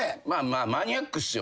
マニアックっすよ